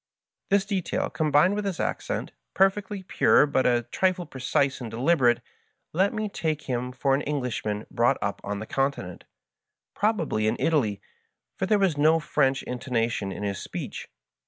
This detail, combined with his accent, perfectly pure but a trifle precise and deliberate, led me to take him for an Englishman brought up on the Continent — ^probably in Italy, for there was no French intonation in his speech.